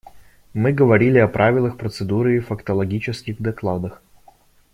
Мы говорили о правилах процедуры и фактологических докладах.